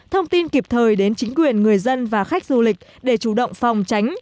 thông tin kịp thời đến chính quyền người dân và khách du lịch để chủ động phòng tránh